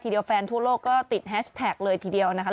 เดียวแฟนทั่วโลกก็ติดแฮชแท็กเลยทีเดียวนะคะ